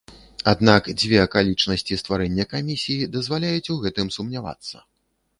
Аднак, дзве акалічнасці стварэння камісіі дазваляюць у гэтым сумнявацца.